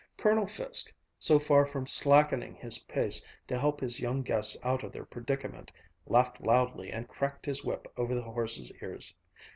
Colonel Fiske, so far from slackening his pace to help his young guests out of their predicament, laughed loudly and cracked his whip over the horses' ears.